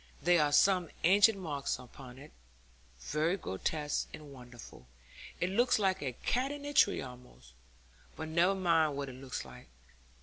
There are some ancient marks upon it, very grotesque and wonderful; it looks like a cat in a tree almost, but never mind what it looks like.